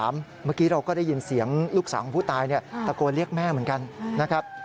เมื่อกี้เราก็ได้ยินเสียงลูกสาวของผู้ตายตะโกนเรียกแม่เหมือนกันนะครับ